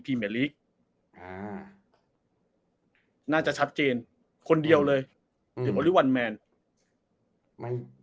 พีเมริกอ่าน่าจะชับเจนคนเดียวเลยอืมอันแมนไม่